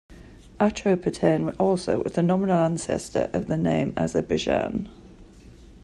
"Atropatene" also was the nominal ancestor of the name "Azerbaijan".